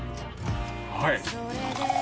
はい！